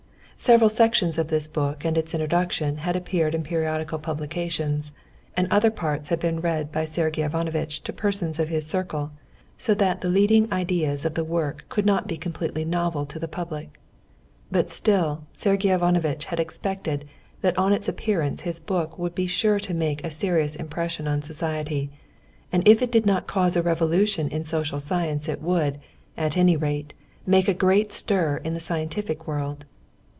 Several sections of this book and its introduction had appeared in periodical publications, and other parts had been read by Sergey Ivanovitch to persons of his circle, so that the leading ideas of the work could not be completely novel to the public. But still Sergey Ivanovitch had expected that on its appearance his book would be sure to make a serious impression on society, and if it did not cause a revolution in social science it would, at any rate, make a great stir in the scientific world.